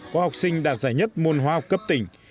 có học sinh đạt giải nhất môn hóa học cấp tỉnh